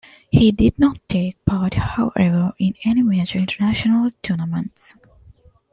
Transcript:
He did not take part, however, in any major international tournament.